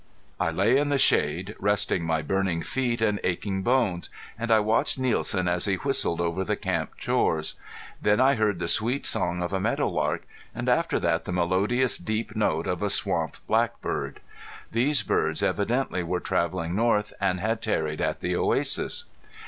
I lay in the shade, resting my burning feet and achiag bones, and I watched Nielsen as he whistled over the camp chores. Then I heard the sweet song of a meadow lark, and after that the melodious deep note of a swamp blackbird. These birds evidently were traveling north and had tarried at the oasis.